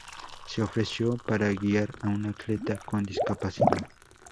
Se ofreció para guiar a un atleta con discapacidad.